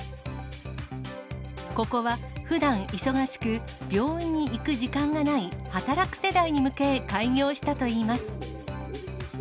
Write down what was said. ここは、ふだん忙しく病院に行く時間がない働く世代に向け開業したといいます。